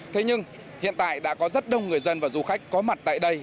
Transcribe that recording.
thế nhưng hiện tại đã có rất đông người dân và du khách có mặt tại đây